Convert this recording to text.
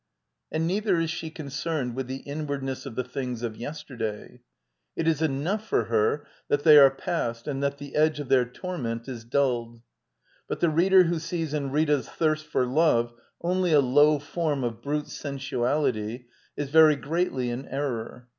And neither is she concerned with the inwardness of the things of yesterday. It is enough for her that they are past and that the edge of their torment is dulled. But the reader who sees in Rita's thirst for love only a low form of brute sensuality is very greatly in error.